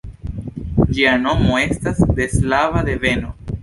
Ĝia nomo estas de slava deveno.